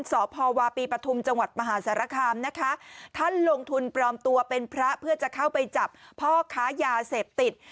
สพวาปีปฐุมจังหวัดมหาสารคามนะคะท่านลงทุนปลอมตัวเป็นพระเพื่อจะเข้าไปจับพ่อค้ายาเสพติด